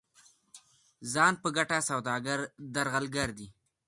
ځان په ګټه سوداګر درغلګر دي.